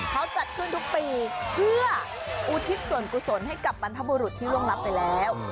เขาจัดขึ้นทุกปีเพื่ออุทิศส่วนกุศลให้กับบรรพบุรุษที่ล่วงรับไปแล้ว